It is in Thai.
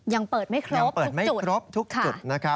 ยังเปิดไม่ครบทุกจุด